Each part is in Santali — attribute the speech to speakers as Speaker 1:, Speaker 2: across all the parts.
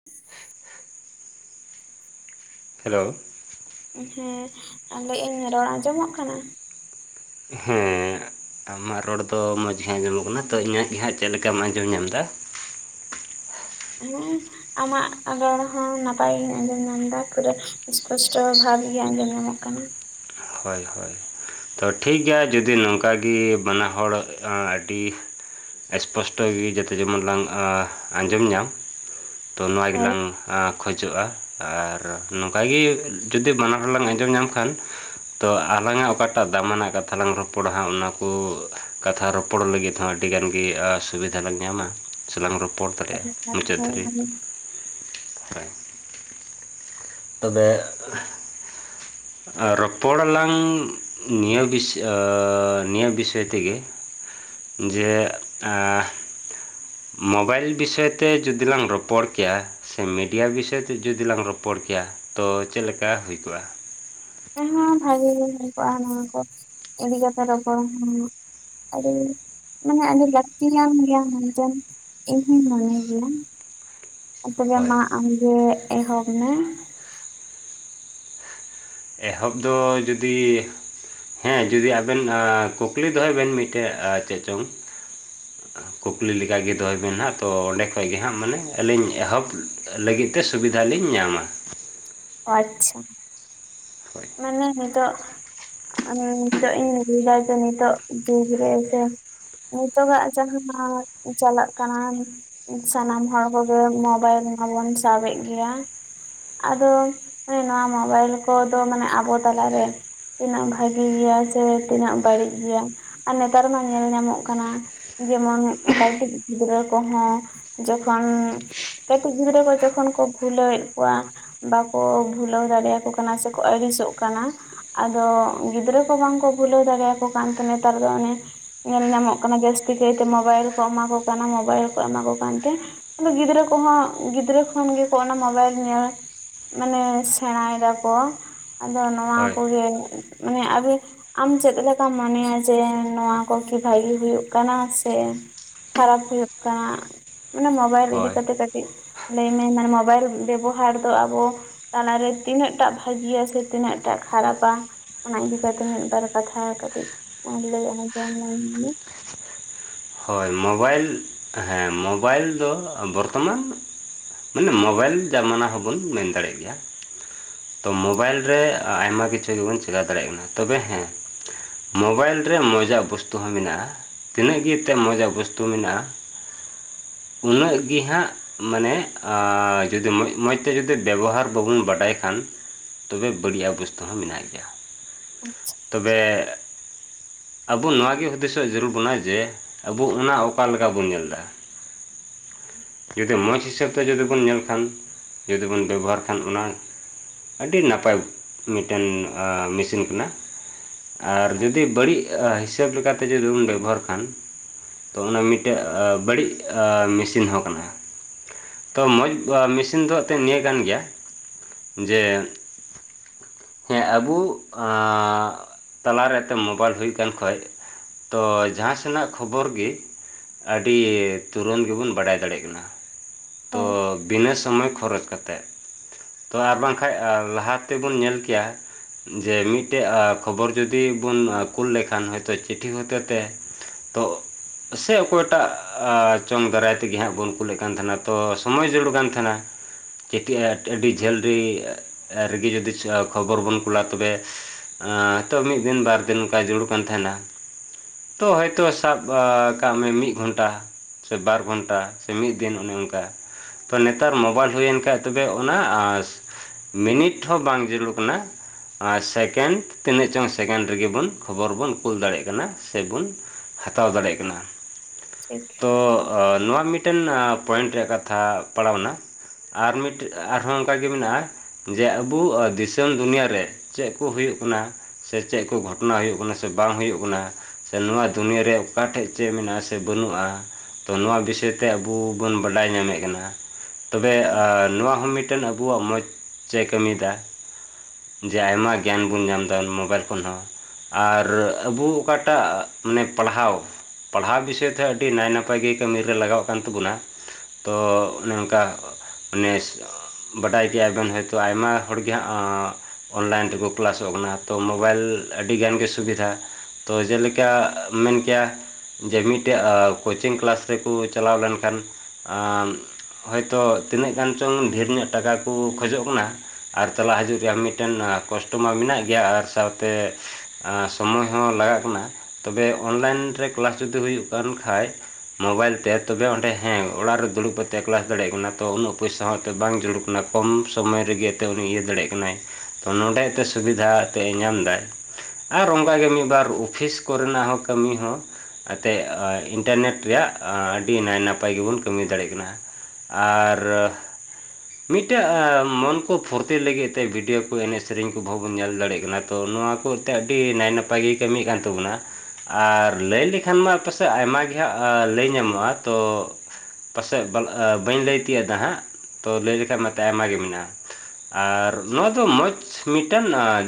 Speaker 1: [inaudible]
Speaker 2: ᱦᱮᱞᱳ!
Speaker 1: ᱦᱮᱸ ᱞᱟᱹᱭᱮᱜ ᱤᱧ ᱨᱚᱲ ᱟᱸᱡᱚᱢᱚᱜ ᱠᱟᱱᱟ?
Speaker 2: ᱦᱮᱸ ᱾ ᱟᱢᱟᱜ ᱨᱚᱲ ᱫᱚ ᱢᱚᱡᱽ ᱜᱮ ᱟᱸᱡᱚᱢᱚᱜ ᱠᱟᱱᱟ, ᱛᱚ ᱤᱧᱟᱹᱜ ᱜᱮ ᱦᱟᱸᱜ ᱪᱮᱫ ᱞᱮᱠᱟᱢ ᱟᱸᱡᱚᱢ ᱧᱟᱢᱫᱟ?
Speaker 1: ᱦᱮᱸ ᱾ ᱟᱢᱟᱜ ᱨᱚᱲᱦᱚᱸ ᱱᱟᱯᱟᱭ ᱜᱤᱧ ᱟᱸᱡᱚᱢ ᱧᱟᱢᱫᱟ ᱯᱩᱨᱟᱹ ᱤᱥᱯᱚᱥᱴᱚ ᱵᱷᱟᱵᱽᱜᱮ ᱟᱸᱡᱚᱢ ᱧᱟᱢᱚᱜ ᱠᱟᱱᱟ ᱾
Speaker 2: ᱦᱳᱭ ᱦᱳᱭ ᱾ ᱛᱚ ᱴᱷᱤᱠ ᱜᱮᱭᱟ ᱡᱩᱫᱤ ᱱᱚᱝᱠᱟᱜᱮ ᱵᱟᱱᱟ ᱦᱚᱲ ᱟᱸ ᱟᱹᱰᱤ ᱮᱥᱯᱚᱥᱴᱚ ᱜᱮ ᱡᱟᱛᱮ ᱡᱮᱢᱚᱱ ᱞᱟᱝ ᱟᱸ ᱟᱸᱡᱚᱢ ᱧᱟᱢ ᱾ ᱛᱚ ᱱᱚᱣᱟ
Speaker 1: ᱦᱳᱭ
Speaker 2: ᱜᱮᱞᱟᱝ ᱟ ᱠᱷᱚᱡᱚᱜᱼᱟ ᱟᱨ ᱱᱚᱝᱠᱟ ᱜᱮ ᱡᱩᱫᱤ ᱵᱟᱱᱟ ᱦᱚᱲ ᱞᱟᱝ ᱟᱸᱡᱚᱢ ᱧᱟᱢ ᱠᱷᱟᱱ ᱛᱚ ᱟᱞᱟᱝᱟᱜ ᱚᱠᱟᱴᱟᱜ ᱫᱟᱢᱟᱱᱟᱜ ᱠᱟᱛᱷᱟ ᱞᱟᱝ ᱨᱚᱯᱚᱲᱟ ᱦᱟᱸᱜ ᱚᱱᱟᱠᱚ ᱠᱟᱛᱷᱟ ᱨᱚᱯᱚᱲ ᱞᱟᱹᱜᱤᱫ ᱦᱚᱸ ᱟᱹᱰᱤ ᱜᱟᱱ ᱜᱮ ᱟᱸ ᱥᱩᱵᱤᱫᱷᱟ ᱞᱟᱝ ᱧᱟᱢᱟ ᱥᱮ ᱞᱟᱝ ᱨᱚᱯᱚᱲ ᱫᱟᱲᱮᱭᱟᱜᱼᱟ ᱢᱩᱪᱟᱹᱫ
Speaker 1: ᱦᱳᱭ
Speaker 2: ᱫᱷᱟᱹᱨᱤᱡ ᱾ [inaudible] ᱦᱳᱭ ᱾ ᱛᱚᱵᱮ ᱨᱚᱯᱚᱲᱟᱞᱟᱝ ᱱᱤᱭᱟᱹ ᱵᱤᱥ ᱟᱸᱻ ᱱᱤᱭᱟᱹ ᱵᱤᱥᱚᱭ ᱛᱮᱜᱮ ᱾ ᱡᱮ ᱟᱸᱻ ᱢᱳᱵᱟᱭᱤᱞ ᱵᱤᱥᱚᱭ ᱛᱮ ᱡᱩᱫᱤ ᱞᱟᱝ ᱨᱚᱯᱚᱲ ᱠᱮᱭᱟ, ᱥᱮ ᱢᱮᱰᱤᱭᱟ ᱵᱤᱥᱚᱭ ᱛᱮ ᱡᱩᱫᱤ ᱞᱟᱝ ᱨᱚᱯᱚᱲ ᱠᱮᱭᱟ ᱛᱚ ᱪᱮᱫ ᱞᱮᱠᱟ ᱦᱩᱭ ᱠᱚᱜᱼᱟ?
Speaker 1: ᱮᱱ ᱦᱚᱸ ᱵᱷᱟᱜᱤ ᱜᱮ ᱦᱩᱭ ᱠᱚᱜᱼᱟ ᱱᱚᱣᱟ ᱠᱚ ᱤᱫᱤ ᱠᱟᱛᱮ ᱨᱚᱯᱚᱲᱟ ᱦᱚ ᱟᱹᱵᱤ ᱢᱟᱱᱮ ᱟᱹᱰᱤ ᱞᱟᱹᱠᱛᱤᱭᱟᱱ ᱜᱮᱭᱟ ᱢᱮᱱᱛᱮ ᱤᱧᱦᱩᱸᱧ ᱢᱚᱱᱮ ᱜᱮᱭᱟ ᱾ ᱛᱚᱵᱮ
Speaker 2: ᱦᱳᱭ
Speaker 1: ᱢᱟ ᱟᱢ ᱜᱮ ᱮᱦᱚᱵ ᱢᱮ ᱾
Speaker 2: ᱮᱦᱚᱵ ᱫᱚ ᱡᱩᱫᱤ ᱦᱮᱸ ᱡᱚᱫᱤ ᱟᱵᱮᱱ ᱟᱸ ᱠᱩᱠᱞᱤ ᱫᱚᱦᱚᱭ ᱵᱮᱱ ᱢᱤᱫᱴᱮᱡ ᱪᱮᱫ ᱪᱚᱝ? ᱠᱩᱠᱞᱤ ᱞᱮᱠᱟ ᱜᱮ ᱫᱚᱦᱚᱭ ᱵᱮᱱ ᱦᱟᱸᱜ ᱛᱚ ᱚᱸᱰᱮ ᱠᱷᱚᱡ ᱜᱮ ᱦᱟᱸᱜ ᱢᱟᱱᱮ ᱟᱹᱞᱤᱧ ᱮᱦᱚᱵ ᱞᱟᱹᱜᱤᱫ ᱛᱮ ᱥᱩᱵᱤᱫᱷᱟ ᱞᱤᱧ ᱧᱟᱢᱟ ᱾
Speaker 1: ᱟᱪᱪᱷᱟ,
Speaker 2: ᱦᱳᱭ
Speaker 1: ᱢᱟᱱᱮ ᱱᱤᱛᱚᱜ ᱟᱫᱚ ᱱᱤᱛᱚᱜ ᱤᱧ ᱞᱟᱹᱭᱫᱟ ᱡᱮ ᱱᱤᱛᱚᱜ ᱡᱩᱜᱽ ᱨᱮ ᱥᱮ ᱱᱤᱛᱚᱜᱟᱜ ᱡᱟᱦᱟᱸ ᱢᱟ ᱪᱟᱞᱟᱜ ᱠᱟᱱᱟ ᱥᱟᱱᱟᱢ ᱦᱚᱲ ᱠᱚᱜᱮ ᱢᱳᱵᱟᱭᱤᱞ ᱢᱟᱵᱚᱱ ᱥᱟᱵᱮᱫ ᱜᱮᱭᱟ, ᱟᱫᱚ ᱦᱮᱸ ᱱᱚᱣᱟ ᱢᱚᱵᱟᱭᱤᱞ ᱠᱚᱫᱚ ᱢᱟᱱᱮ ᱟᱵᱚ ᱛᱟᱞᱟᱨᱮ ᱛᱤᱱᱟᱹᱜ ᱵᱷᱟᱜᱤ ᱜᱮᱭᱟ ᱥᱮ ᱛᱤᱱᱟᱹᱜ ᱵᱟᱹᱲᱤᱡ ᱜᱮᱭᱟ ᱟᱨ ᱱᱮᱛᱟᱨ ᱢᱟ ᱧᱮᱞ ᱧᱟᱢᱚᱜ ᱠᱟᱱᱟ ᱡᱮᱢᱚᱱ ᱠᱟᱹᱴᱤᱡ ᱜᱤᱫᱽᱨᱟᱹ ᱠᱚᱦᱚᱸ ᱡᱚᱠᱷᱚᱱ ᱠᱟᱹᱴᱤᱡ ᱜᱤᱫᱽᱨᱟᱹ ᱠᱚ ᱡᱚᱠᱷᱚᱱ ᱠᱚ ᱵᱷᱩᱞᱟᱹᱣ ᱮᱫ ᱠᱚᱣᱟ ᱵᱟ ᱠᱚ ᱵᱷᱩᱞᱟᱹᱣ ᱫᱟᱲᱮᱭᱟᱠᱚ ᱠᱟᱱᱟ ᱥᱮᱠᱚ ᱟᱹᱲᱤᱥᱚᱜ ᱠᱟᱱᱟ ᱾ ᱟᱫᱚ ᱜᱤᱫᱽᱨᱟᱹ ᱠᱚ ᱵᱟᱝᱠᱚ ᱵᱷᱩᱞᱟᱹᱣ ᱫᱟᱲᱮᱭᱟᱠᱚ ᱠᱟᱱᱛᱮ ᱱᱮᱛᱟᱨ ᱫᱚ ᱚᱱᱮ ᱧᱮᱞ ᱧᱟᱢᱚᱜ ᱠᱟᱱᱟ ᱡᱟᱹᱥᱛᱤ ᱠᱟᱹᱭᱛᱮ ᱢᱳᱵᱟᱭᱤᱞ ᱠᱚ ᱮᱢᱟ ᱠᱚ ᱠᱟᱱᱟ, ᱢᱳᱚᱵᱟᱭᱤᱞ ᱠᱚ ᱮᱢᱟ ᱠᱚ ᱠᱟᱱᱛᱮ ᱟᱫᱚ ᱜᱤᱫᱽᱨᱟᱹ ᱠᱚᱦᱚᱸ ᱜᱤᱫᱽᱨᱟᱹ ᱠᱷᱚᱱ ᱜᱮᱠᱚ ᱚᱱᱟ ᱢᱳᱵᱟᱭᱤᱞ ᱧᱮᱞ ᱢᱟᱱᱮ ᱥᱮᱬᱟᱭ ᱫᱟᱠᱚ ᱟᱫᱚ ᱱᱚᱣᱟ
Speaker 2: ᱦᱳᱭ
Speaker 1: ᱠᱚᱜᱮ ᱢᱟᱱᱮ ᱟᱵᱤ ᱟᱢ ᱪᱮᱫ ᱞᱮᱠᱟᱢ ᱢᱚᱱᱮᱭᱟ ᱡᱮ ᱱᱚᱣᱟ ᱠᱚ ᱠᱤ ᱵᱷᱟᱹᱜᱤ ᱦᱩᱭᱩᱜ ᱠᱟᱱᱟ? ᱥᱮ ᱠᱷᱟᱨᱟᱯ ᱦᱩᱭᱩᱜ ᱠᱟᱱᱟ? ᱢᱟᱱᱮ ᱢᱳᱵᱟᱭᱤᱞ ᱤᱫᱤ
Speaker 2: ᱦᱳᱭ
Speaker 1: ᱠᱟᱛᱮ ᱠᱟᱹᱴᱤᱡ ᱞᱟᱹᱭᱢᱮ ᱢᱟᱱᱮ ᱢᱳᱵᱟᱭᱤᱞ ᱵᱮᱵᱚᱦᱟᱨ ᱫᱚ ᱟᱵᱚ ᱛᱟᱞᱟᱨᱮ ᱛᱤᱱᱟᱹᱜ ᱴᱟᱜ ᱵᱷᱟᱹᱜᱤᱭᱟ ᱥᱮ ᱛᱤᱱᱟᱹᱜ ᱴᱟᱜ ᱠᱷᱟᱨᱟᱯᱟ? ᱚᱱᱟ ᱤᱫᱤ ᱠᱟᱛᱮ ᱢᱤᱫ ᱵᱟᱨ ᱠᱟᱛᱷᱟ ᱠᱟᱹᱴᱤᱡ ᱞᱟᱹᱭ ᱟᱡᱚᱢᱟᱹᱧ ᱢᱮ ᱾
Speaker 2: ᱦᱳᱭ ᱢᱳᱵᱟᱭᱤᱞ ᱦᱮᱸ ᱢᱳᱵᱟᱭᱤᱞ ᱫᱚ ᱵᱚᱨᱛᱚᱢᱟᱱ ᱢᱟᱱᱮ ᱢᱳᱵᱟᱭᱤᱞ ᱡᱟᱢᱟᱱᱟ ᱦᱚᱸᱵᱚᱱ ᱢᱮᱱ ᱫᱟᱲᱮᱜ ᱜᱮᱭᱟ ᱾ ᱛᱚ ᱢᱳᱵᱟᱭᱤᱞ ᱨᱮ ᱟᱭᱢᱟ ᱠᱤᱪᱷᱩ ᱜᱮᱵᱚᱱ ᱪᱮᱠᱟ ᱫᱟᱲᱮᱭᱟᱜ ᱠᱟᱱᱟ, ᱛᱚᱵᱮ ᱦᱮᱸ ᱢᱳᱵᱟᱭᱤᱞ ᱨᱮ ᱢᱚᱡᱽ ᱟᱜ ᱵᱚᱥᱛᱩ ᱦᱚᱸ ᱢᱮᱱᱟᱜᱼᱟ ᱛᱤᱱᱟᱹᱜ ᱜᱮ ᱛᱮ ᱢᱚᱡᱟᱜ ᱵᱚᱥᱛᱩ ᱢᱮᱱᱟᱜᱼᱟ, ᱩᱱᱟᱹᱜ ᱜᱮ ᱦᱟᱸᱜ ᱢᱟᱱᱮ ᱟᱸ ᱡᱚᱫᱤ ᱢᱚᱸᱡ ᱢᱚᱸᱡᱽ ᱛᱮ ᱡᱩᱫᱤ ᱵᱮᱵᱚᱦᱟᱨ ᱵᱟᱵᱚᱱ ᱵᱟᱰᱟᱭ ᱠᱷᱟᱱ ᱛᱚᱵᱮ ᱵᱟᱹᱲᱤᱡ ᱟᱜ ᱵᱚᱥᱛᱩ ᱦᱚᱸ ᱢᱮᱱᱟᱜ ᱜᱮᱭᱟ ᱾
Speaker 1: [unintelligible]
Speaker 2: ᱛᱚᱵᱮ ᱟᱵᱚ ᱱᱚᱣᱟ ᱜᱮ ᱦᱩᱫᱤᱥᱚᱜ ᱡᱟᱹᱨᱩᱲ ᱵᱚᱱᱟ ᱡᱮ ᱟᱵᱚ ᱚᱱᱟ ᱚᱠᱟ ᱞᱮᱠᱟ ᱵᱚᱱ ᱧᱮᱞ ᱫᱟ ᱾ ᱡᱩᱫᱤ ᱢᱚᱡᱽ ᱦᱤᱥᱟᱹᱵ ᱛᱮ ᱡᱩᱫᱤ ᱵᱚᱱ ᱧᱮᱞ ᱠᱷᱟᱱ, ᱡᱩᱫᱤ ᱵᱚᱱ ᱵᱮᱵᱚᱦᱟᱨ ᱠᱷᱟᱱ ᱚᱱᱟ ᱟᱹᱰᱤ ᱱᱟᱯᱟᱭ ᱢᱤᱫᱴᱮᱱ ᱟᱸᱻ ᱢᱮᱥᱤᱱ ᱠᱟᱱᱟ ᱾ ᱟᱨ ᱡᱩᱫᱤ ᱵᱟᱹᱲᱤᱡ ᱦᱤᱥᱟᱹᱵ ᱞᱮᱠᱟᱛᱮ ᱡᱩᱫᱤ ᱵᱚᱱ ᱵᱮᱵᱚᱦᱟᱨ ᱠᱷᱟᱱ ᱛᱚ ᱚᱱᱟ ᱢᱤᱫᱴᱮᱡ ᱵᱟᱹᱲᱤᱡ ᱟ ᱢᱮᱥᱤᱱ ᱦᱚᱸ ᱠᱟᱱᱟ ᱾ ᱛᱚ ᱢᱚᱡᱽ ᱢᱮᱥᱤᱱ ᱫᱚ ᱮᱛᱮ ᱱᱤᱭᱟᱹ ᱠᱟᱱ ᱜᱮᱭᱟ ᱡᱮ ᱦᱮᱸ ᱟᱵᱚ ᱟᱸᱻ ᱛᱟᱞᱟ ᱨᱮ ᱮᱛᱮ ᱢᱳᱵᱟᱭᱤᱞ ᱦᱩᱭ ᱠᱟᱱ ᱠᱷᱚᱡ ᱛᱚ ᱡᱟᱦᱟᱸ ᱥᱮᱱᱟᱜ ᱠᱷᱚᱵᱚᱨ ᱜᱮ ᱟᱹᱰᱤ ᱛᱩᱨᱟᱹᱱᱛ ᱜᱮᱵᱚᱱ ᱵᱟᱰᱟᱭ ᱫᱟᱲᱮᱜ ᱠᱟᱱᱟ,
Speaker 1: ᱦᱳᱭ
Speaker 2: ᱛᱚ ᱵᱤᱱᱟᱹ ᱥᱚᱢᱚᱭ ᱠᱷᱚᱨᱚᱪ ᱠᱟᱛᱮᱜ ᱾ ᱛᱚ ᱟᱨ ᱵᱟᱝᱠᱷᱟᱡ ᱞᱟᱦᱟ ᱛᱮᱵᱚᱱ ᱧᱮᱞ ᱠᱮᱭᱟ᱾ ᱡᱮ ᱢᱤᱫᱴᱮᱡ ᱟ ᱠᱷᱚᱵᱚᱨ ᱡᱩᱫᱤ ᱵᱚᱱ ᱠᱩᱞ ᱞᱮᱠᱷᱟᱱ ᱦᱚᱭᱛᱚ ᱪᱤᱴᱷᱤ ᱦᱚᱛᱮ ᱛᱮ ᱛᱚᱜ ᱥᱮ ᱚᱠᱚᱭᱴᱟᱜ ᱪᱚᱝ ᱫᱟᱨᱟᱭ ᱛᱮᱜᱮ ᱦᱟᱸᱜ ᱵᱚᱱ ᱠᱩᱞᱮᱫ ᱠᱟᱱ ᱛᱟᱦᱮᱱᱟ ᱛᱚ ᱥᱚᱢᱚᱭ ᱡᱟᱹᱨᱩᱲ ᱠᱟᱱ ᱛᱟᱦᱮᱸᱱᱟ᱾ ᱠᱮᱛᱷᱤ ᱟ ᱟᱹᱰᱤ ᱡᱷᱟᱹᱞ ᱨᱮ ᱨᱟᱹᱜᱤ ᱡᱟᱹᱫᱤᱥ ᱠᱷᱚᱵᱚᱨ ᱵᱚᱱ ᱠᱩᱞᱟ ᱛᱚᱵᱮ ᱟᱸ ᱛᱚ ᱢᱤᱫ ᱫᱤᱱ ᱵᱟᱨ ᱫᱤᱱ ᱱᱚᱝᱠᱟ ᱡᱟᱨᱩᱲ ᱠᱟᱱ ᱛᱟᱦᱮᱸᱱᱟ᱾ ᱛᱚ ᱦᱚᱭᱛᱳ ᱥᱟᱵ ᱟᱠᱟᱜ ᱢᱤᱜ ᱜᱷᱚᱱᱴᱟ ᱥᱮ ᱵᱟᱨ ᱜᱷᱚᱱᱴᱟ᱾ ᱛᱮ ᱢᱤᱫ ᱫᱤᱱ ᱚᱱᱮ ᱚᱱᱠᱟ᱾ ᱛᱚ ᱱᱮᱛᱟᱨ ᱢᱳᱵᱟᱭᱤᱞ ᱦᱩᱭᱮᱱ ᱠᱷᱟᱡ ᱛᱚᱵᱮ ᱚᱱᱟ ᱟᱸᱥ ᱢᱤᱱᱤᱴ ᱦᱚᱸ ᱵᱟᱝ ᱡᱟᱨᱩᱲ ᱠᱟᱱᱟ᱾ ᱟᱨ ᱥᱮᱠᱮᱱᱰ ᱛᱤᱱᱟᱹᱜ ᱪᱚᱝ ᱥᱮᱠᱮᱱᱰ ᱨᱮᱜᱮ ᱵᱚᱱ ᱠᱷᱚᱵᱚᱨ ᱵᱚᱱ ᱠᱩᱞ ᱫᱟᱲᱮᱭᱟᱜ ᱠᱟᱱᱟ ᱥᱮᱵᱚᱱ ᱦᱟᱛᱟᱣ ᱫᱟᱲᱮᱜ ᱠᱟᱱᱟ᱾
Speaker 1: ᱴᱷᱤᱠ᱾
Speaker 2: ᱛᱚ ᱚ ᱱᱚᱣᱟ ᱢᱤᱫᱴᱮᱱ ᱮᱸ ᱯᱚᱭᱮᱱᱴ ᱨᱮᱭᱟᱜ ᱠᱟᱛᱷᱟ ᱯᱟᱲᱟᱣᱱᱟ᱾ ᱟᱨ ᱢᱤᱫᱴᱮᱡ ᱟᱨᱦᱚᱸ ᱚᱱᱠᱟ ᱜᱮ ᱢᱮᱱᱟᱜ-ᱟ ᱡᱮ ᱟᱵᱚ ᱫᱤᱥᱚᱢ ᱫᱩᱱᱭᱟᱹ ᱨᱮ ᱪᱮᱜ ᱠᱚ ᱦᱩᱭᱩᱜ ᱠᱟᱱᱟ ᱥᱮ ᱪᱮᱫ ᱠᱚ ᱜᱷᱚᱴᱚᱱᱟ ᱦᱩᱭᱩᱜ ᱠᱟᱱᱟ ᱥᱮ ᱵᱟᱝ ᱦᱩᱭᱩᱜ ᱠᱟᱱᱟ᱾ ᱥᱮ ᱱᱚᱣᱟ ᱫᱩᱱᱭᱟᱹ ᱨᱮ ᱚᱠᱟ ᱴᱷᱮᱡ ᱪᱮᱫ ᱢᱮᱱᱟᱜᱼᱟ ᱥᱮ ᱵᱟᱹᱱᱩᱜᱼᱟ᱾ ᱛᱚ ᱱᱚᱣᱟ ᱵᱤᱥᱚᱭ ᱛᱮ ᱟᱵᱚ ᱵᱚᱱ ᱵᱟᱰᱟᱭ ᱧᱟᱢᱮᱫ ᱠᱟᱱᱟ᱾ ᱛᱚᱵᱮ ᱟ ᱱᱚᱣᱟ ᱦᱚᱸ ᱢᱤᱫᱴᱮᱱ ᱟᱵᱚᱣᱟᱜ ᱢᱚᱸᱪ ᱮᱪ ᱠᱟᱹᱢᱤᱫᱟ᱾ ᱡᱮ ᱟᱭᱢᱟ ᱜᱮᱭᱟᱱ ᱵᱚᱱ ᱧᱟᱢᱫᱟ ᱢᱳᱵᱟᱭᱤᱞ ᱠᱷᱚᱱ ᱦᱚᱸ᱾ ᱟᱨ ᱟᱵᱚ ᱚᱠᱟᱴᱟᱜ ᱢᱟᱱᱮ ᱯᱟᱲᱦᱟᱣ ᱯᱟᱲᱦᱟᱣ ᱵᱤᱥᱚᱭ ᱛᱮᱦᱚ ᱟᱹᱰᱤ ᱱᱟᱭ ᱱᱟᱯᱟᱭ ᱜᱮ ᱠᱟᱹᱢᱤ ᱨᱮ ᱞᱟᱜᱟᱣ ᱟᱜ ᱠᱟᱱ ᱛᱟᱵᱚᱱᱟ᱾ ᱛᱚ ᱚᱱᱮ ᱚᱱᱠᱟ ᱢᱟᱱᱮᱥ ᱵᱟᱰᱟᱭ ᱜᱮᱭᱟᱵᱮᱱ ᱦᱚᱭᱛᱳ ᱟᱭᱢᱟ ᱦᱚᱲ ᱜᱮ ᱦᱟᱸᱜ ᱚᱱᱞᱟᱭᱤᱱ ᱛᱮᱠᱚ ᱠᱞᱟᱥᱚᱜ ᱠᱟᱱᱟ, ᱛᱚ ᱢᱳᱵᱟᱭᱤᱞ ᱟᱹᱰᱤ ᱜᱟᱱ ᱜᱮ ᱥᱩᱵᱤᱫᱷᱟ᱾ ᱛᱚ ᱡᱮᱞᱮᱠᱟ ᱢᱮᱱ ᱠᱮᱭᱟ ᱡᱮ ᱢᱤᱫᱴᱮᱡ ᱟ ᱠᱳᱪᱤᱝ ᱠᱞᱟᱥ ᱨᱮᱠᱚ ᱪᱟᱞᱟᱣ ᱞᱮᱱᱠᱷᱟᱱ ᱟᱸ ᱦᱚᱭᱛᱚ ᱛᱤᱱᱟᱹᱜ ᱜᱟᱱ ᱪᱚᱝ ᱰᱷᱮᱨ ᱧᱚᱜ ᱴᱟᱠᱟ ᱠᱚ ᱠᱷᱚᱡᱚᱜ ᱠᱟᱱᱟ᱾ ᱟᱨ ᱪᱟᱞᱟᱜ ᱦᱤᱡᱩᱜ ᱨᱮᱭᱟᱜ ᱢᱤᱫᱴᱮᱱ ᱟᱸ ᱠᱚᱥᱴᱚ ᱢᱟ ᱢᱮᱱᱟᱜ ᱜᱮᱭᱟ ᱟᱨ ᱥᱟᱶᱛᱮ ᱟᱸ ᱥᱚᱢᱚᱭ ᱦᱚᱸ ᱞᱟᱜᱟᱜ ᱠᱟᱱᱟ, ᱛᱚᱵᱮ ᱚᱱᱞᱟᱭᱤᱱ ᱨᱮ ᱠᱞᱟᱥ ᱡᱚᱫᱤ ᱦᱩᱭᱩᱜ ᱠᱟᱱ ᱠᱷᱟᱡ ᱢᱚᱵᱟᱭᱤᱞ, ᱛᱮᱯ᱾ ᱛᱚᱵᱮ ᱚᱸᱰᱮ ᱦᱮᱸ ᱚᱲᱟᱜ ᱨᱮ ᱫᱩᱲᱩᱵ ᱠᱟᱛᱮᱫ ᱮ ᱠᱞᱟᱥ ᱫᱟᱲᱮᱭᱟᱜ ᱠᱟᱱᱟ, ᱛᱚ ᱩᱱᱟᱹᱜ ᱯᱚᱭᱥᱟ ᱦᱚᱸ ᱮᱛᱮᱫ ᱵᱟᱝ ᱡᱟᱲᱩᱲ ᱠᱟᱱᱟ ᱠᱚᱢ ᱥᱚᱢᱚᱭ ᱨᱮᱜᱮ ᱛᱮ ᱩᱱᱤ ᱤᱭᱟᱹ ᱫᱟᱲᱮᱭᱟᱜ ᱠᱟᱱᱟᱭ, ᱛᱚ ᱱᱚᱸᱰᱮ ᱮᱛᱮ ᱥᱩᱵᱤᱫᱷᱟ ᱛᱮᱜ ᱮ ᱧᱟᱢ ᱫᱟᱭ᱾ ᱟᱨ ᱚᱱᱠᱟᱜᱮ ᱢᱤᱫ-ᱵᱟᱨ ᱚᱯᱷᱤᱥ ᱠᱚᱨᱮᱱᱟᱜ ᱦᱚᱸ ᱠᱟᱹᱢᱤ ᱦᱚᱸ ᱟᱛᱮᱜ ᱚᱭ ᱤᱱᱴᱟᱨᱱᱮᱴ ᱨᱮᱭᱟᱜ ᱟᱸ ᱰᱤ ᱱᱟᱭ ᱱᱟᱯᱟᱭ ᱜᱮᱵᱚᱱ ᱠᱟᱹᱢᱤ ᱫᱟᱲᱮᱜ ᱠᱟᱱᱟ, ᱟᱨ ᱢᱤᱫᱴᱟᱜ ᱮ ᱢᱚᱱ ᱠᱚ ᱯᱷᱩᱨᱛᱤ ᱞᱟᱹᱜᱤᱫ ᱛᱮ ᱵᱷᱤᱰᱭᱳ ᱠᱚ, ᱮᱱᱮᱡ ᱥᱮᱨᱮᱧ ᱠᱚ ᱵᱷᱚ ᱧᱮᱞ ᱫᱟᱲᱮᱭᱟ-ᱜ ᱠᱟᱱᱟ᱾ ᱛᱚ ᱱᱚᱣᱟ ᱠᱚ ᱮᱛᱮᱜ ᱟᱹᱰᱤ ᱱᱟᱭ ᱱᱟᱯᱟᱭ ᱜᱮᱭ ᱠᱟᱹᱢᱤ ᱠᱟᱱ ᱛᱟᱵᱚᱱᱟ᱾ ᱟᱨ ᱞᱮᱭ ᱞᱮᱠᱷᱟᱱ ᱢᱟ ᱯᱟᱥᱮᱡ ᱟᱭᱢᱟ ᱜᱮ ᱦᱟᱸᱜ ᱞᱮᱭ ᱧᱟᱢᱚᱜᱼᱟ ᱛᱚ ᱯᱟᱥᱮᱡ ᱵᱟᱞᱟ ᱵᱟᱹᱧ ᱞᱟᱹᱭ ᱛᱤᱭᱟᱹᱜ ᱫᱟ ᱦᱟᱸᱜ ᱛᱳ ᱞᱮᱭ ᱞᱮᱠᱷᱟᱡ ᱢᱟᱛᱮ ᱟᱭᱢᱟ ᱜᱤ ᱢᱮᱱᱟᱜᱼᱟ᱾ ᱟᱨ ᱱᱚᱣᱟ ᱫᱚ ᱢᱚᱡᱽ ᱢᱤᱫᱴᱮᱱ ᱟᱸ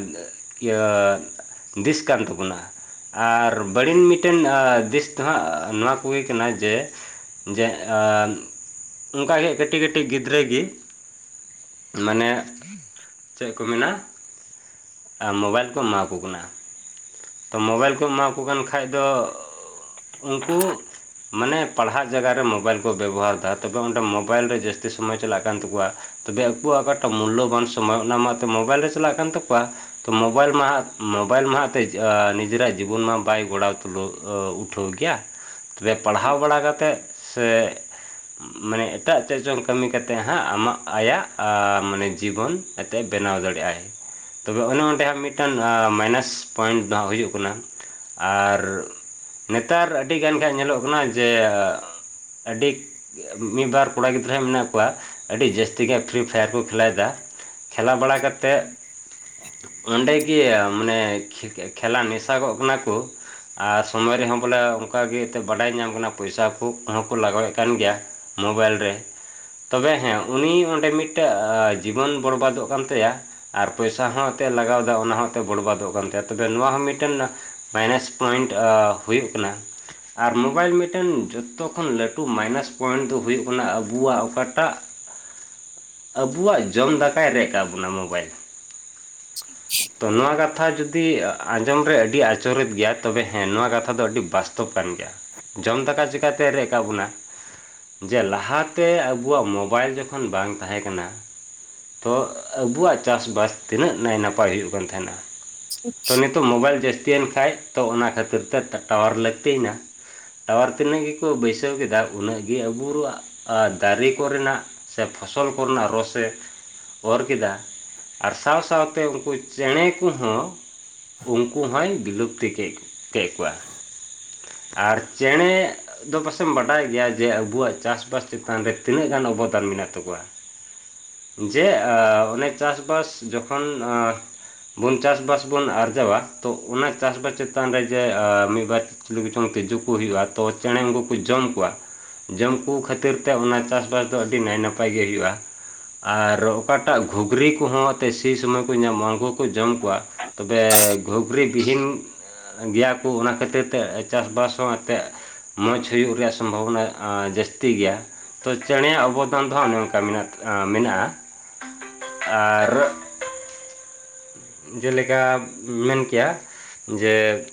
Speaker 2: ᱤᱭᱟᱹ ᱫᱤᱥ ᱠᱟᱱ ᱛᱟᱵᱚᱱᱟ᱾ ᱟᱨ ᱵᱟᱹᱲᱤᱱ ᱢᱤᱫᱴᱮᱱ ᱟ ᱫᱤᱥ ᱫᱚ ᱦᱟᱸᱜ ᱱᱚᱣᱟ ᱠᱚᱜᱮ ᱠᱟᱱᱟ ᱡᱮ ᱡᱮ ᱟᱸ ᱚᱱᱠᱟᱜᱮ ᱦᱟᱜ ᱠᱟᱹᱴᱤᱡ ᱠᱟᱹᱴᱤᱡ ᱜᱤᱫᱽᱨᱟᱹ ᱜᱤ ᱢᱟᱱᱮ ᱪᱮᱜ ᱠᱚ ᱢᱮᱱᱟ? ᱟᱸ ᱢᱳᱵᱟᱭᱤᱞ ᱠᱚ ᱮᱢᱟᱠᱚ ᱠᱟᱱᱟ᱾ ᱛᱚ ᱢᱳᱵᱟᱭᱤᱞ ᱠᱩ ᱮᱢᱟ ᱟᱹᱠᱩ ᱠᱟᱱ ᱠᱷᱟᱡ ᱫᱚ ᱩᱝᱠᱩ ᱢᱟᱱᱮ ᱯᱟᱲᱦᱟᱜ ᱡᱟᱜᱟᱨ ᱨᱮ ᱢᱳᱵᱟᱭᱤᱞ ᱠᱚ ᱵᱮᱵᱚᱦᱟᱨᱫᱟ ᱛᱚᱵᱮ ᱚᱸᱰᱮ ᱢᱳᱵᱟᱭᱤᱞ ᱨᱮ ᱡᱟᱹᱥᱛᱤ ᱥᱚᱢᱚᱭ ᱪᱟᱞᱟᱜ ᱠᱟᱱ ᱛᱟᱹᱠᱚᱣᱟ ᱛᱚᱵᱮ ᱟᱹᱠᱩᱣᱟᱜ ᱚᱠᱟᱴᱟᱜ ᱢᱩᱞᱚᱵᱟᱱ ᱥᱚᱢᱚᱭ ᱚᱱᱟ ᱢᱟ ᱮᱛᱚ ᱢᱳᱵᱟᱭᱤᱞ ᱨᱮ ᱪᱟᱞᱟᱜ ᱠᱟᱱ ᱛᱟᱹᱠᱚᱣᱟ ᱛᱚ ᱢᱳᱵᱟᱭᱤᱞ ᱢᱟ ᱦᱟᱸᱜ ᱢᱳᱵᱟᱭᱤᱞ ᱢᱟ ᱦᱟᱸᱜᱛᱮ ᱱᱤᱡᱮᱨᱟᱜ ᱡᱤᱵᱩᱱ ᱢᱟ ᱵᱟᱭ ᱜᱚᱲᱟᱣ ᱛᱩᱞᱟᱹᱣ ᱩᱴᱷᱟᱹᱣ ᱠᱮᱭᱟ ᱛᱚᱵᱮ ᱯᱟᱲᱦᱟᱣ ᱵᱟᱲᱟ ᱠᱟᱛᱮᱜ ᱥᱮ ᱢᱟᱱᱮ ᱮᱴᱟᱜ ᱪᱮᱜ ᱪᱚᱝ ᱠᱟᱹᱢᱤ ᱠᱟᱛᱮᱫ ᱦᱟᱸᱜ ᱟᱢᱟᱜ ᱟᱭᱟᱜ ᱢᱟᱱᱮ ᱡᱤᱵᱚᱱ ᱮᱛᱮᱜ ᱵᱮᱱᱟᱣ ᱫᱟᱲᱮᱭᱟᱜᱼ ᱟᱭ ᱛᱚᱵᱮ ᱚᱱᱮ ᱚᱸᱰᱮ ᱦᱟᱸᱜ ᱢᱤᱫᱴᱟᱱ ᱢᱟᱭᱱᱟᱥ ᱯᱚᱭᱮᱱᱴ ᱫᱚ ᱱᱟᱦᱟᱸᱜ ᱦᱩᱭᱩᱜ ᱠᱟᱱᱟ᱾ ᱟᱨ ᱱᱮᱛᱟᱨ ᱟᱹᱰᱤᱜᱟᱱ ᱜᱮ ᱦᱟᱸᱜ ᱧᱮᱞᱚᱜ ᱠᱟᱱᱟ ᱡᱮ ᱟᱹᱰᱤ ᱢᱤᱜᱵᱟᱨ ᱠᱚᱲᱟ ᱜᱤᱫᱽᱨᱟᱹ ᱦᱟᱸᱜ ᱢᱤᱱᱟᱜ ᱠᱚᱣᱟ ᱟᱹᱰᱤ ᱡᱟᱹᱥᱛᱤ ᱜᱮ ᱯᱷᱨᱤ ᱯᱷᱟᱭᱟᱨ ᱠᱚ ᱠᱷᱮᱞᱟᱭᱫᱟ ᱠᱷᱮᱞᱟ ᱵᱟᱲᱟ ᱠᱟᱛᱮᱫ ᱚᱸᱰᱮ ᱜᱤ ᱢᱟᱱᱮ ᱠᱷᱮ ᱠᱷᱮᱞᱟ ᱱᱮᱥᱟᱜᱚᱜ ᱠᱟᱱᱟ ᱠᱚ ᱟᱨ ᱥᱚᱢᱚᱭ ᱨᱮᱦᱚᱸ ᱵᱚᱞᱮ ᱚᱱᱠᱟᱜᱮ ᱮᱛᱮ ᱵᱟᱰᱟᱭ ᱧᱟᱢ ᱠᱟᱱᱟ᱾ ᱯᱚᱭᱥᱟ ᱠᱩ ᱦᱚᱸᱠᱚ ᱞᱟᱜᱟᱣᱮᱫ ᱠᱟᱱ ᱜᱤᱭᱟ ᱢᱳᱵᱟᱭᱤᱞ ᱨᱮ ᱛᱚᱵᱮ ᱦᱮᱸ ᱩᱱᱤ ᱚᱸᱰᱮ ᱢᱤᱫᱴᱟᱜ ᱡᱤᱵᱚᱱ ᱵᱚᱨᱵᱟᱫᱚᱜ ᱠᱟᱱ ᱛᱟᱭᱟ ᱟᱨ ᱯᱚᱭᱥᱟ ᱦᱚᱸ ᱮᱛᱮ ᱞᱟᱜᱟᱣᱫᱟ ᱚᱱᱟ ᱦᱚᱸ ᱮᱛᱮ ᱵᱚᱲᱵᱟᱫᱚᱜ ᱠᱟᱱ ᱛᱟᱭᱟ ᱛᱚᱵᱮ ᱱᱚᱣᱟ ᱦᱚᱸ ᱢᱤᱫᱴᱮᱱ ᱢᱟᱭᱱᱟᱥ ᱯᱚᱭᱮᱱᱴ ᱦᱩᱭᱩᱜ ᱠᱟᱱᱟ ᱟᱨ ᱢᱳᱵᱟᱭᱤᱞ ᱢᱤᱫ ᱴᱮᱱ ᱡᱷᱚᱛᱚᱠᱷᱚᱱ ᱞᱟᱹᱴᱩ ᱢᱟᱭᱱᱟᱥ ᱯᱚᱭᱮᱱᱴ ᱫᱚ ᱦᱩᱭᱩᱜ ᱠᱟᱱᱟ ᱟᱹᱵᱩᱣᱟᱜ ᱚᱠᱟᱴᱟᱜ ᱟᱹᱵᱩᱣᱟᱜ ᱡᱚᱢ ᱫᱟᱠᱟᱭ ᱨᱮᱡ ᱠᱟᱜ ᱵᱩᱱᱟ ᱢᱳᱵᱟᱭᱤᱞ ᱛᱚ ᱱᱚᱣᱟ ᱠᱟᱛᱷᱟ ᱡᱩ, ᱫᱤ ᱟᱸᱡᱚᱢ ᱨᱮ ᱟᱹᱰᱤ ᱟᱪᱚᱨᱤᱛ ᱜᱤᱭᱟ ᱛᱚᱵᱮ ᱦᱮᱸ ᱱᱚᱣᱟ ᱠᱟᱛᱷᱟ ᱫᱚ ᱟᱹᱰᱤ ᱵᱟᱥᱛᱚᱵ ᱠᱟᱱ ᱜᱤᱭᱟ᱾ ᱡᱚᱢ ᱫᱟᱠᱟ ᱪᱤᱠᱟᱛᱮ ᱨᱮᱡ ᱠᱟᱜ ᱵᱩᱱᱟ ᱡᱮ ᱞᱟᱦᱟᱛᱮ ᱟᱹᱵᱩᱣᱟᱜ ᱢᱳᱵᱟᱭᱤᱞ ᱡᱚᱠᱷᱚᱱ ᱵᱟᱝ ᱛᱟᱦᱮᱸ ᱠᱟᱱᱟ᱾ ᱛᱚ ᱟᱹᱵᱩᱣᱟᱜ ᱪᱟᱥᱵᱟᱥ ᱛᱤᱱᱟᱹᱜ ᱱᱟᱭᱱᱟᱯᱟᱭ ᱦᱩᱭᱩᱜ ᱠᱟᱱ ᱛᱟᱦᱮᱱᱟ᱾ ᱛᱚ ᱱᱤᱛᱳᱜ ᱢᱳᱵᱟᱭᱤᱞ ᱡᱟᱹᱥᱛᱤᱭᱮᱱ ᱠᱷᱟᱡ ᱛᱚ ᱚᱱᱟ ᱠᱷᱟᱹᱛᱤᱨ ᱛᱮ ᱴᱟᱣᱟᱨ ᱞᱟᱹᱠᱛᱤᱭᱮᱱᱟ᱾ ᱴᱟᱣᱟᱨ ᱛᱤᱱᱟᱹᱜ ᱜᱤᱠᱚ ᱵᱟᱹᱭᱥᱟᱹᱣ ᱠᱮᱫᱟ ᱩᱱᱟᱹᱜ ᱜᱤ ᱟᱹᱵᱩᱨᱣᱟᱜ ᱫᱟᱨᱮ ᱠᱚᱨᱮᱱᱟᱜ ᱥᱮ ᱯᱷᱚᱥᱚᱞ ᱠᱚᱨᱮᱱᱟᱜ ᱨᱚᱥᱮ ᱚᱨ ᱠᱤᱫᱟ ᱟᱨ ᱥᱟᱶ ᱥᱟᱶᱛᱮ ᱩᱝᱠᱩ ᱪᱮᱸᱬᱮ ᱠᱚᱦᱚᱸ ᱩᱝᱠᱩ ᱦᱚᱭ ᱵᱤᱞᱩᱯᱛᱤ ᱠᱮᱜ ᱠᱮᱜ ᱠᱚᱣᱟ ᱟᱨ ᱪᱮᱸᱬᱮ ᱫᱚ ᱯᱟᱥᱮᱢ ᱵᱟᱰᱟᱭ ᱜᱮᱭᱟ ᱡᱮ ᱟᱹᱵᱩᱣᱟᱜ ᱪᱟᱥᱵᱟᱥ ᱪᱮᱛᱟᱱ ᱨᱮ ᱛᱤᱱᱟᱹᱜ ᱜᱟᱱ ᱚᱵᱚᱫᱟᱱ ᱢᱮᱱᱟᱜ ᱛᱟᱹᱠᱩᱣᱟ᱾ ᱡᱮ ᱚᱱᱮ ᱪᱟᱥᱵᱟᱥ ᱡᱚᱠᱷᱚᱱ ᱵᱩᱱ ᱪᱟᱹᱥ ᱵᱟᱥ ᱵᱚᱱ ᱟᱨᱡᱟᱣᱟ ᱛᱚ ᱚᱱᱟ ᱪᱟᱹᱥᱵᱟᱥ ᱪᱮᱛᱟᱱ ᱨᱮ ᱡᱮ ᱢᱤᱫᱵᱟᱨ ᱪᱤᱞᱤᱪᱚᱝ ᱛᱤᱡᱩ ᱠᱚ ᱦᱩᱭᱩᱜᱼᱟ ᱛᱚ ᱪᱮᱸᱬᱮ ᱩᱱᱠᱩ ᱠᱚ ᱡᱚᱢ ᱠᱚᱣᱟ ᱡᱚᱢ ᱠᱩ ᱠᱷᱟᱹᱛᱤᱨ ᱛᱮ ᱚᱱᱟ ᱪᱟᱹᱥᱼᱵᱟᱥ ᱫᱚ ᱟᱹᱰᱤ ᱱᱟᱭ ᱱᱟᱯᱟᱭ ᱜᱤ ᱦᱩᱭᱩᱜᱼᱟ᱾ ᱟᱨ ᱚᱠᱟᱴᱟᱜ ᱜᱷᱩᱜᱽᱨᱤ ᱠᱚᱦᱚᱸ ᱮᱛᱮ ᱥᱤ ᱥᱚᱢᱚᱭ ᱠᱚ ᱧᱟᱢᱼᱟ ᱩᱱᱠᱩ ᱠᱚ ᱡᱚᱢ ᱠᱚᱣᱟ ᱛᱚᱵᱮ ᱜᱷᱩᱜᱽᱨᱤ ᱵᱤᱦᱤᱱ ᱜᱮᱭᱟ ᱠᱳ ᱚᱱᱟ ᱠᱷᱟᱹᱛᱤᱨ ᱛᱮ ᱪᱟᱥᱵᱟᱥ ᱦᱚᱸ ᱛᱮ ᱢᱚᱡᱽ ᱦᱩᱭᱩᱜ ᱨᱮᱭᱟᱜ ᱥᱚᱢᱵᱷᱚᱵᱚᱱᱟ ᱡᱟᱹᱥᱛᱤ ᱜᱤᱭᱟ ᱛᱚ ᱪᱮᱸᱬᱮᱭᱟᱜ ᱚᱵᱚᱫᱟᱱ ᱫᱚ ᱦᱟᱸᱜ ᱱᱚᱝᱠᱟ ᱢᱤᱱᱟᱜ ᱢᱤᱱᱟᱜᱼᱟ ᱟᱨ ᱡᱮᱞᱮᱠᱟ ᱢᱮᱱ ᱠᱮᱭᱟ ᱡᱮ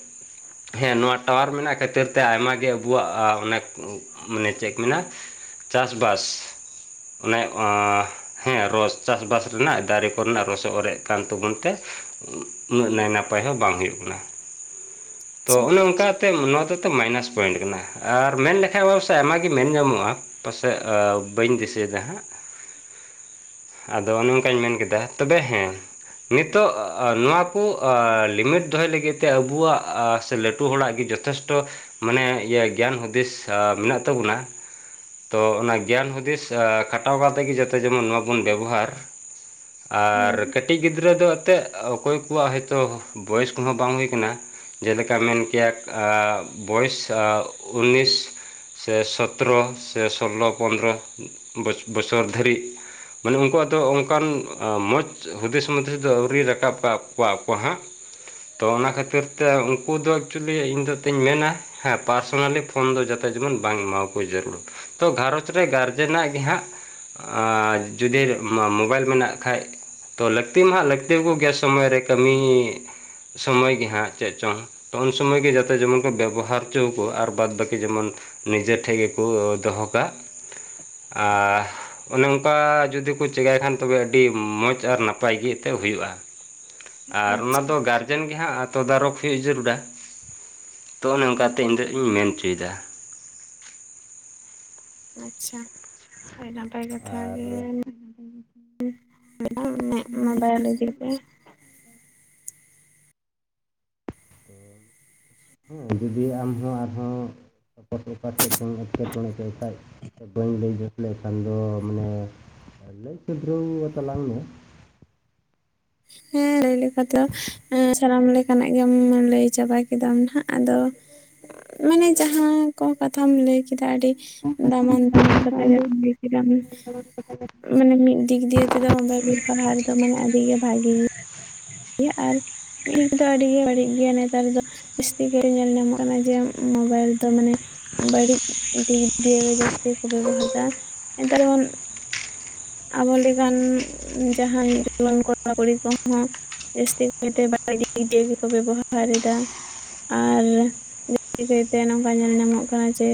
Speaker 2: ᱦᱮᱸ ᱱᱚᱣᱟ ᱴᱟᱣᱟᱨ ᱢᱤᱱᱟᱜ ᱠᱷᱟᱹᱛᱤᱨ ᱛᱮ ᱟᱭᱢᱟ ᱜᱮ ᱟᱹᱵᱩᱣᱟᱜ ᱟᱸ ᱚᱱᱮᱠ ᱢᱟᱱᱮ ᱪᱮᱫ ᱠᱚ ᱢᱮᱱᱟ ᱪᱟᱹᱥᱵᱟᱥ ᱚᱱᱮ ᱦᱮᱸ ᱨᱚᱥ ᱪᱟᱹᱥᱼᱵᱟᱥ ᱨᱮᱱᱟᱜ ᱫᱟᱨᱮ ᱠᱚᱨᱮᱱᱟᱜ ᱨᱚᱥ ᱚᱨᱮᱡ ᱠᱟᱱ ᱛᱟᱵᱚᱱ ᱛᱮ ᱩᱱᱟᱹᱜ ᱱᱟᱭ ᱱᱟᱯᱟᱭ ᱦᱚᱸ ᱵᱟᱝ ᱦᱩᱭᱩᱜ ᱠᱟᱱᱟ ᱛᱚ
Speaker 1: ᱟᱪᱪᱷᱟ
Speaker 2: ᱚᱱᱮ ᱚᱱᱠᱟ ᱛᱮ ᱱᱚᱣᱟ ᱫᱚᱛᱚ ᱢᱟᱭᱱᱟᱥ ᱯᱚᱭᱮᱱᱴ ᱠᱟᱱᱟ ᱟᱨ ᱢᱮᱱ ᱞᱮᱠᱷᱟᱡ ᱟᱭᱢ ᱜᱮ ᱢᱮᱱ ᱧᱟᱢᱚᱜᱼᱟ ᱯᱟᱥᱮᱡ ᱵᱟᱹᱧ ᱫᱤᱥᱟᱹᱭᱮᱫᱟ ᱦᱟᱸᱜ ᱟᱫᱚ ᱚᱱᱮ ᱚᱱᱠᱟᱧ ᱢᱮᱱ ᱠᱮᱫᱟ ᱛᱚᱵᱮ ᱦᱮᱸ ᱱᱤᱛᱚᱜ ᱱᱚᱣᱟ ᱠᱚ ᱞᱤᱢᱤᱴ ᱫᱚᱦᱚᱭ ᱞᱟᱹᱜᱤᱫ ᱛᱮ ᱟᱵᱩᱣᱟᱜ ᱥᱮ ᱞᱟᱹᱴᱩ ᱦᱚᱲᱟᱜ ᱜᱮ ᱡᱚᱛᱷᱮᱥᱴᱚ ᱢᱟᱱᱮ ᱤᱭᱟᱹ ᱜᱮᱭᱟᱱ ᱦᱩᱫᱤᱥ ᱢᱮᱱᱟᱜ ᱛᱟᱵᱩᱱᱟ, ᱛᱚ ᱚᱱᱟ ᱜᱮᱭᱟᱱ ᱦᱩᱫᱤᱥ ᱠᱷᱟᱴᱟᱣ ᱠᱟᱛᱮᱫ ᱜᱮ ᱡᱟᱛᱮ ᱡᱮᱢᱚᱱ ᱱᱚᱣᱟ ᱵᱚᱱ ᱵᱮᱵᱚᱦᱟᱨ ᱟᱨ
Speaker 1: ᱦᱮᱸ
Speaker 2: ᱠᱟᱹᱴᱤᱡ ᱜᱤᱫᱽᱨᱟᱹ ᱫᱚ ᱮᱱᱛᱮᱫ ᱚᱠᱚᱭ ᱠᱩᱣᱟᱜ ᱦᱚᱭᱛᱳ ᱵᱚᱭᱮᱥ ᱠᱚᱦᱚᱸ ᱵᱟᱝ ᱦᱩᱭ ᱠᱟᱱᱟ, ᱡᱮᱞᱮᱠᱟ ᱢᱮᱱ ᱠᱮᱭᱟ ᱟ ᱵᱚᱭᱮᱥ ᱩᱱᱤᱥ ᱥᱮ ᱥᱚᱛᱨᱚ ᱥᱮ ᱥᱳᱞᱞᱳ ᱯᱚᱫᱨᱚ ᱵᱚᱪ ᱵᱚᱪᱷᱚᱨ ᱫᱷᱟᱹᱨᱤᱡ ᱢᱟᱱᱮ ᱩᱱᱠᱩᱣᱟᱜ ᱫᱚ ᱚᱱᱠᱟᱱ ᱢᱚᱡᱽ ᱦᱩᱫᱤᱥ ᱢᱩᱫᱤᱥ ᱫᱚ ᱟᱣᱨᱤ ᱨᱟᱠᱟᱵ ᱠᱟᱜ ᱠᱚᱣᱟ ᱦᱟᱸᱜ ᱛᱚ ᱚᱱᱟ ᱠᱷᱟᱹᱛᱤᱨ ᱛᱮ ᱩᱱᱠᱩ ᱫᱚ ᱮᱠᱪᱩᱞᱤ ᱤᱧ ᱫᱚ ᱛᱤᱧ ᱢᱮᱱᱟ, ᱦᱮᱸ ᱯᱟᱨᱥᱚᱱᱟᱞᱤ ᱯᱷᱳᱱ ᱫᱚ ᱡᱟᱛᱮ ᱡᱮᱢᱚᱱ ᱵᱟᱝ ᱮᱢᱟᱣ ᱠᱚ ᱡᱟᱹᱨᱩᱲ᱾ ᱛᱚ ᱜᱷᱟᱨᱨᱚᱸᱡᱽ ᱨᱮ ᱜᱟᱨᱡᱮᱱᱟᱜ ᱜᱮ ᱦᱟᱸᱜ ᱟᱨ ᱡᱩᱫᱤ ᱢᱳᱵᱟᱭᱤᱞ ᱢᱮᱱᱟᱜ ᱠᱷᱟᱡ ᱛᱚ ᱞᱟᱹᱠᱛᱤ ᱢᱟ ᱦᱟᱸᱜ ᱞᱟᱹᱠ ᱛᱤ ᱠᱚ ᱜᱮᱭᱟ ᱥᱚᱢᱚᱭ ᱨᱮ ᱠᱟᱹᱢᱤ ᱥᱚᱢᱚᱭ ᱜᱮ ᱦᱟᱸᱜ ᱪᱮᱫ ᱪᱚᱝ ᱛᱚ ᱩᱱ ᱥᱚᱢᱚᱭ ᱜᱮ ᱡᱟᱛᱮ ᱡᱮᱢᱚᱱ ᱠᱚ ᱵᱮᱵᱚᱦᱟᱨ ᱪᱩ ᱠᱩ ᱟᱨ ᱵᱟᱫ ᱵᱟᱹᱠᱤ ᱡᱮᱢᱚᱱ ᱱᱤᱡᱮ ᱴᱷᱮᱡ ᱜᱮᱠᱚ ᱫᱚᱦᱚ ᱠᱟᱜ ᱟᱦ ᱚᱱᱮ ᱚᱱᱠᱟ ᱡᱩᱫᱤ ᱠᱚ ᱪᱤᱠᱟᱭ ᱠᱷᱟᱱ ᱛᱚᱵᱮ ᱟᱹᱰᱤ ᱢᱚᱡᱽ ᱟᱨ ᱱᱟᱯᱟᱭ ᱜᱮ ᱛᱮ ᱦᱩᱭᱩᱜᱼᱟ ᱟᱨ ᱚᱱᱟ
Speaker 1: ᱟᱪᱪᱷᱟ
Speaker 2: ᱫᱚ ᱜᱟᱨᱡᱮᱱ ᱜᱮ ᱦᱟᱸᱜ ᱛᱚᱫᱟᱨᱚᱠ ᱦᱩᱭᱩᱜ ᱡᱟᱹᱨᱩᱲᱟ ᱛᱚ ᱚᱱᱮ ᱚᱱᱠᱟᱛᱮ ᱤᱧ ᱫᱚ ᱤᱧ ᱢᱮᱱ ᱪᱩᱭᱫᱟ᱾
Speaker 1: ᱟᱪᱪᱷᱟ ᱟᱹᱰᱤ ᱱᱟᱯᱟᱭ ᱠᱟᱛᱷᱟ
Speaker 2: ᱟᱨ
Speaker 1: ᱜᱮᱢ [unintelligible] ᱢᱠᱵᱟᱭᱤᱞ ᱤᱫᱤ ᱜᱮ
Speaker 2: ᱛ ᱦᱮᱸ ᱡᱩᱫᱤ ᱟᱢᱦᱚᱸ ᱟᱨᱦᱚᱸ ᱚᱠᱟ ᱴᱷᱮᱱ ᱠᱷᱚᱱ ᱮᱴᱠᱮᱴᱚᱬᱮ ᱠᱚᱜ ᱠᱷᱟᱡ ᱵᱟᱹᱧ ᱞᱟᱹᱭ ᱡᱩᱛ ᱞᱮᱠᱷᱟᱱ ᱫᱚ ᱢᱟᱱᱮ ᱞᱟᱹᱭ ᱥᱩᱫᱨᱟᱹᱣ ᱛᱟᱞᱟᱝ ᱢᱮ᱾
Speaker 1: ᱦᱮᱸ ᱞᱟᱹᱭ ᱞᱮᱠᱟ ᱛᱚ ᱥᱟᱱᱟᱢ ᱞᱮᱠᱟᱱᱟᱜ ᱜᱮᱢ ᱞᱟᱹᱭ ᱪᱟᱵᱟ ᱠᱮᱫᱟᱢ ᱱᱟᱸᱜ ᱟᱫᱚ ᱢᱟᱱᱮ ᱡᱟᱦᱟᱸ ᱠᱚ ᱠᱟᱛᱷᱟᱢ ᱞᱟᱹᱭ ᱠᱮᱫᱟ ᱟᱹᱰᱤ ᱫᱟᱢᱟᱱ ᱫᱟᱢᱟᱱ ᱠᱟᱛᱷᱟ ᱜᱮᱢ ᱞᱟᱹᱭ ᱠᱮᱫᱟ ᱢᱟᱱᱮ ᱢᱤᱫ ᱫᱤᱠ ᱫᱤᱭᱮ ᱛᱮᱫᱚ ᱵᱮᱞ ᱯᱟᱦᱟᱲᱤ ᱫᱚ ᱢᱟᱱᱮ ᱟᱹᱰᱤᱜᱮ ᱵᱷᱟᱜᱮ᱾ [inaudible] ᱟᱨ ᱢᱤᱫ ᱫᱚ ᱟᱹᱰᱤ ᱜᱮ ᱵᱟᱹᱲᱤᱡ ᱜᱮᱭᱟ ᱱᱮᱛᱟᱨ ᱫᱚ ᱡᱟᱹᱥᱛᱤ ᱠᱟᱨᱮ ᱧᱮᱞ ᱧᱟᱢᱚᱜ ᱠᱟᱱᱟ ᱡᱮ ᱢᱳᱵᱟᱭᱤᱞ ᱛᱚ ᱢᱟᱱᱮ ᱵᱟᱹᱲᱤᱡ ᱫᱤᱠ ᱫᱤᱭᱮ ᱡᱟᱹᱥᱛᱤ ᱠᱚ ᱵᱮᱵᱚᱦᱟᱨᱟ ᱫᱟ ᱱᱮᱛᱟᱨ ᱵᱚᱱ ᱟᱵᱚ ᱞᱮᱠᱟᱱ ᱡᱟᱦᱟᱸᱭ ᱡᱩᱣᱟᱹᱱ ᱠᱚᱲᱟᱼᱠᱩᱲᱤ ᱠᱚᱦᱚᱸ ᱡᱟᱹᱥᱛᱤ ᱠᱟᱭᱛᱮ ᱵᱟᱲᱤᱡ ᱫᱤᱠ ᱫᱤᱭᱮ ᱜᱮᱠᱚ ᱵᱮᱵᱚᱦᱟᱨ ᱫᱟ ᱟᱨ ᱡᱟᱹᱥᱛᱤ ᱠᱟᱹᱭ ᱛᱮ ᱱᱚᱝᱠᱟ ᱧᱮᱞ ᱧᱟᱢᱚᱜ ᱠᱟᱱᱟ ᱡᱮ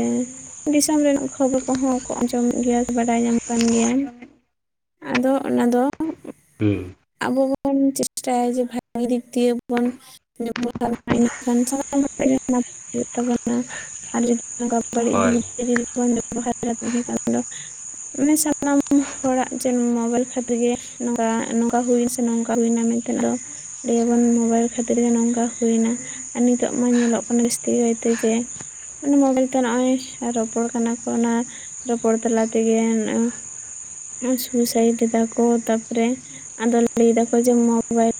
Speaker 1: ᱫᱤᱥᱚᱢ ᱨᱮᱱᱟᱜ ᱠᱷᱚᱵᱚᱨ ᱠᱚᱦᱚᱸ ᱠᱚ ᱟᱸᱡᱚᱢᱮᱫ ᱜᱮᱭᱟ ᱥᱮ ᱵᱟᱰᱟᱭ ᱧᱟᱢᱚᱜ ᱠᱟᱱ ᱜᱮᱭᱟ, ᱟᱫᱚ ᱚᱱᱟᱫᱚ
Speaker 2: ᱦᱩᱸ᱾
Speaker 1: ᱟᱵᱚ ᱵᱚᱱ ᱪᱮᱥᱴᱟᱭᱟ ᱡᱮ ᱵᱷᱟᱜᱤ ᱫᱤᱠ ᱫᱤᱭᱮ ᱵᱚᱱ [unintelligible] ᱮᱸᱰᱮ ᱠᱷᱟᱱ ᱥᱟᱱᱟᱢ ᱞᱮᱠᱟᱱᱟᱜ ᱜᱮ ᱱᱟᱯᱟᱭᱚᱜ ᱛᱟᱵᱚᱱᱟ᱾ ᱟᱨ ᱡᱩᱫᱤ ᱚᱱᱠᱟ ᱵᱟᱹᱲᱤᱡ
Speaker 2: ᱦᱳᱭ
Speaker 1: [unintelligible] ᱵᱚᱱ ᱵᱮᱵᱚᱦᱟᱨᱟ [unintelligible] ᱢᱟᱱᱮ ᱥᱟᱱᱟᱢ ᱦᱚᱲᱟᱜ ᱪᱮᱫ ᱢᱳᱵᱟᱭᱤᱞ ᱠᱷᱟᱛᱤᱨ ᱜᱮ ᱱᱚᱝᱠᱟ, ᱱᱚᱝᱠᱟ ᱦᱩᱭ ᱥᱮ ᱱᱚᱝᱠᱟ ᱦᱩᱭᱮᱱᱟ ᱢᱮᱱᱛᱮᱫ ᱫᱚ ᱞᱟᱹᱭ ᱟᱵᱚᱱ ᱢᱳᱵᱟᱭᱤᱞ ᱠᱷᱟᱹᱛᱤᱨ ᱜᱮ ᱱᱚᱝᱠᱟ ᱦᱩᱭᱱᱟ᱾ ᱟᱨ ᱱᱤᱛᱚᱜ ᱢᱟ ᱧᱮᱞᱚᱜ ᱠᱟᱱᱟ ᱡᱟᱹᱥᱛᱤ ᱠᱟᱭᱛᱮ ᱡᱮ ᱚᱱᱮ ᱢᱚᱵᱟᱭᱤᱞ ᱛᱮ ᱱᱚᱜ-ᱚᱭ ᱨᱚᱯᱚᱲ ᱠᱟᱱᱟ ᱠᱚ ᱚᱱᱟ ᱨᱚᱯᱚᱲ ᱛᱟᱞᱟ ᱛᱮᱜᱮ ᱱᱚᱜ-ᱚ ᱥᱩᱭᱥᱟᱭᱤᱰ ᱮᱫᱟᱠᱚ ᱛᱟᱯᱚᱨᱮ ᱟᱫᱚ ᱞᱟᱹᱭ ᱫᱟᱠᱚ ᱡᱮ ᱢᱩᱵᱟᱭᱤᱞ